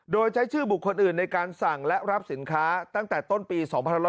โดยใช้ชื่อบุคคลอื่นในการสั่งและรับสินค้าตั้งแต่ต้นปี๒๕๖๐